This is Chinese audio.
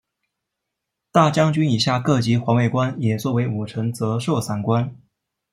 大将军以下各级环卫官也作为武臣责授散官。